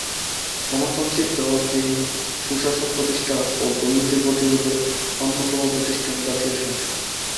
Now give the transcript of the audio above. গণতান্ত্রিক জবাবদিহি, সুশাসন প্রতিষ্ঠা ও দুর্নীতি প্রতিরোধে অন্যতম প্রতিষ্ঠান জাতীয় সংসদ।